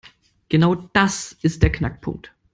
Genau das ist der Knackpunkt.